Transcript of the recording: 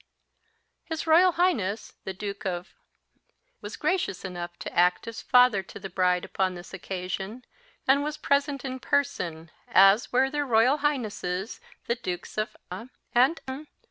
His Royal Highness the Duke of was gracious enough to act as father to the bride upon this occasion, and was present in person, as were their Royal Highnesses the Dukes of , and of